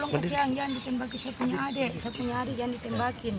wah minta tolong kasihan jangan ditembaki si punya adik si punya adik jangan ditembakin